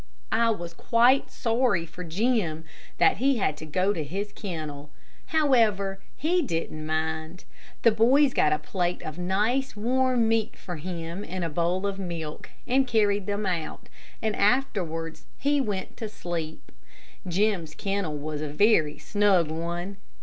I was quite sorry for Jim that he had to go out to his kennel. However, he said he didn't mind. The boys got a plate of nice, warm meat for him and a bowl of milk, and carried them out, and afterward he went to sleep. Jim's kennel was a very snug one.